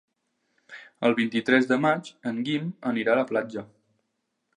El vint-i-tres de maig en Guim anirà a la platja.